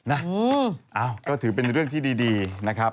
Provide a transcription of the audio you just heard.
นะก็ถือเป็นเรื่องที่ดีนะครับ